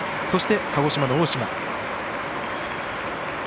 そして、鹿児島の大島。